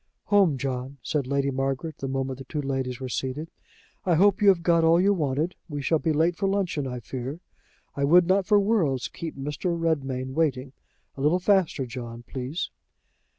"Home, John," said Lady Margaret, the moment the two ladies were seated. "I hope you have got all you wanted. We shall be late for luncheon, I fear. I would not for worlds keep Mr. Redmain waiting. A little faster, John, please."